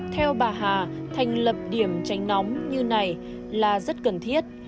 theo bà hà thành lập điểm tránh nóng như này là rất cần thiết